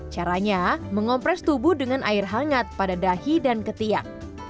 caranya mengompres tubuh dengan air hangat pada dahi dan ketiak